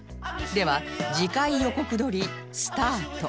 では次回予告録りスタート